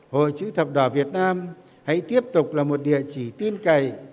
hội chữ thập đỏ việt nam hãy tiếp tục là một địa chỉ tin cậy